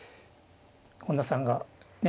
本田さんがね